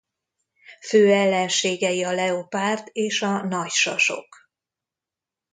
Fő ellenségei a leopárd és a nagy sasok.